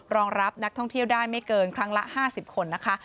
รองรับนักท่องเที่ยวได้ไม่เกินครั้งละ๕๐คนนะคะ